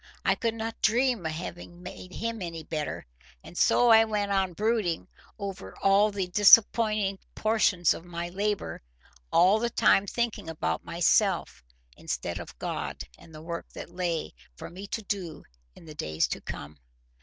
I could not dream of having made him any better. And so I went on brooding over all the disappointing portions of my labour, all the time thinking about myself, instead of God and the work that lay for me to do in the days to come.